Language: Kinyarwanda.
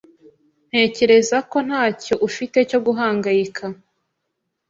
Ntekereza ko ntacyo ufite cyo guhangayika.